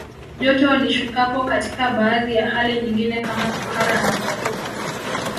Joto lishukapo katika baadhi ya hali nyingine kama kuhara na kutapika